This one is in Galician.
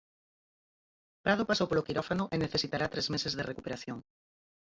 Prado pasou polo quirófano e necesitará tres meses de recuperación.